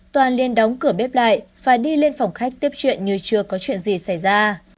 toàn liên đóng cửa bếp lại phải đi lên phòng khách tiếp chuyện như chưa có chuyện gì xảy ra